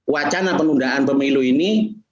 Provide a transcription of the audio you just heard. wacana penundaan pemilu ini